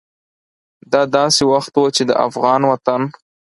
دا داسې وخت و چې د افغان وطن